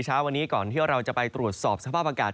เช้าวันนี้ก่อนที่เราจะไปตรวจสอบสภาพอากาศ